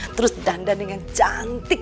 terus dandan dengan cantik